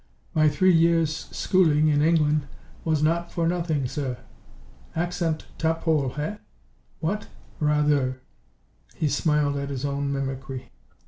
"My three years' schooling in England was not for nothing, sir. Accent top hole, eh, what! Rawther." He smiled at his own mimicry.